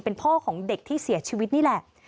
เป็นพ่อของเด็กที่เสียชีวิตนี่แหละ